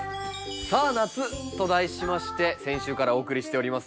「さあ夏！」と題しまして先週からお送りしております